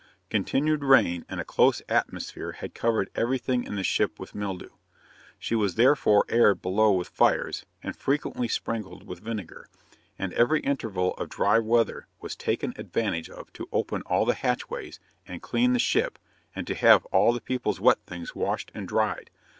Continued rain and a close atmosphere had covered everything in the ship with mildew. She was therefore aired below with fires, and frequently sprinkled with vinegar, and every interval of dry weather was taken advantage of to open all the hatchways, and clean the ship, and to have all the people's wet things washed and dried.